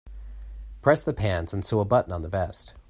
Press the pants and sew a button on the vest.